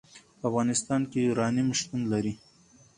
په افغانستان کې یورانیم شتون لري.